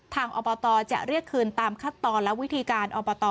อบตจะเรียกคืนตามขั้นตอนและวิธีการอบต